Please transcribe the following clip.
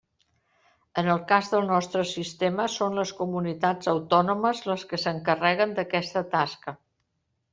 En el cas del nostre sistema són les Comunitats Autònomes les que s’encarreguen d’aquesta tasca.